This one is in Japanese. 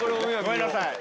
ごめんなさい。